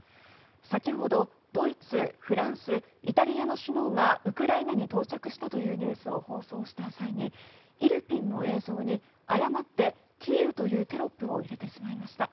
先ほどドイツ、フランスイタリアの首脳がウクライナに到着したというニュースを放送した際にイルピンの映像に誤ってキーウというテロップを入れてしまいました。